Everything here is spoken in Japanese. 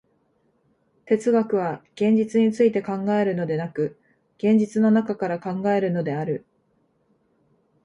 哲学は現実について考えるのでなく、現実の中から考えるのである。